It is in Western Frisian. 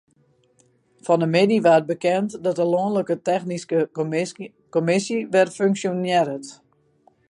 Fan 'e middei waard bekend dat de lanlike technyske kommisje wer funksjonearret.